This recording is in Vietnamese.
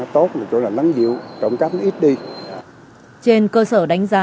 trên cơ sở đánh giá